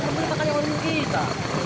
pemerintah kan yang melindungi kita